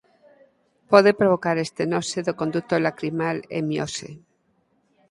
Pode provocar estenose do conduto lacrimal e miose.